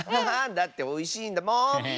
だっておいしいんだもん！